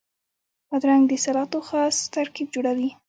بادرنګ د سلاتو خاص ترکیب جوړوي.